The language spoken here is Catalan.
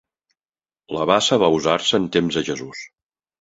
La bassa va usar-se en temps de Jesús.